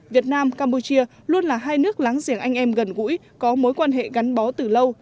việt nam campuchia luôn là hai nước láng giềng anh em gần gũi có mối quan hệ gắn bó từ lâu